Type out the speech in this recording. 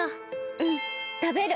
うんたべる！